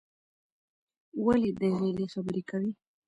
ولې د غېلې خبرې کوې؟